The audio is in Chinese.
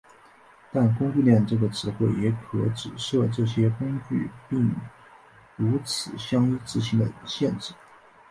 但工具链这个词汇也可指涉这些工具并无此相依执行的限制。